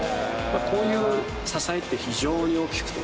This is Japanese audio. こういう支えって非常に大きくてね